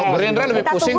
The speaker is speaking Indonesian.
berindra lebih pusing